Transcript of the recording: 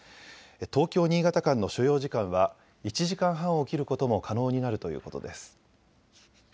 東京・新潟間の所要時間は１時間半を切ることも可能になるということです。